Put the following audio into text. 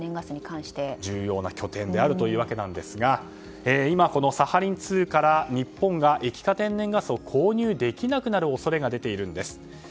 重要な拠点なわけですが今、サハリン２から日本が液化天然ガスを購入できなくなる恐れが出ているんです。